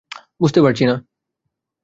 বুঝতে পারছি না।